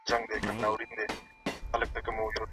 وزیران شاه محمود ته د پالیالۍ سوگند وکړ.